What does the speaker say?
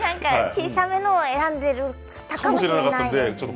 小さめのを選んでいたかもしれない。